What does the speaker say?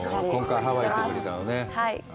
今回はハワイに行ってくれたんだよね。